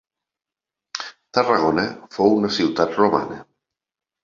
Tarragona fou una ciutat romana.